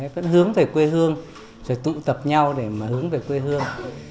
vẫn hướng về quê hương rồi tụ tập nhau để mà hướng về quê hương